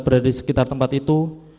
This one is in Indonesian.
berada di sekitar tempat itu